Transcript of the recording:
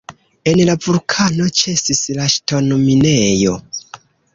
En la vulkano ĉesis la ŝtonminejo.